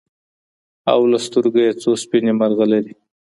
او له سترګو يې څو سپيني مرغلري